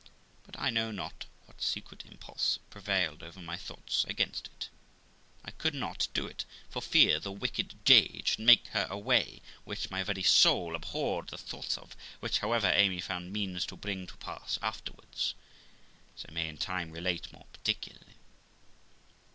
But I know not what secret impulse pre vailed over my thoughts against it ; I could not do it, for fear the wicked jade should make her away, which my very soul abhorred the thoughts of; which, however, Amy found means to bring to pass afterwards, as I may in time relate more particularly.